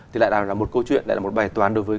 thì lại đang là một câu chuyện lại là một bài toán đối với